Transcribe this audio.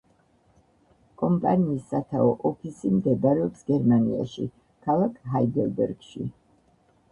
კომპანიის სათავო ოფისი მდებარეობს გერმანიაში, ქალაქ ჰაიდელბერგში.